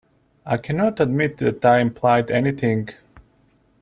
I cannot admit that I implied anything.